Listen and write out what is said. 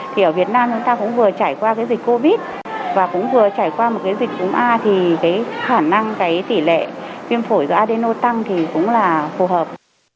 thì ở việt nam chúng ta cũng vừa trải qua cái dịch covid và cũng vừa trải qua một cái dịch cúng a thì cái khả năng cái tỷ lệ viêm phổi do adeno tăng thì cũng là phù hợp